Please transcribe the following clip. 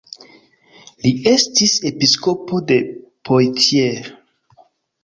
Li estis episkopo de Poitiers.